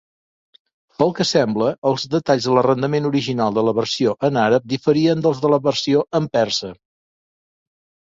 Pel que sembla, els detalls de l'arrendament original de la versió en àrab diferien dels de la versió en persa.